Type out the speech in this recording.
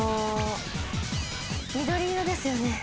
緑色ですよね。